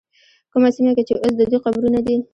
کومه سیمه کې چې اوس د دوی قبرونه دي.